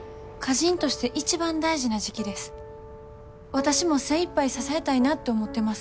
私も精いっぱい支えたいなって思ってます。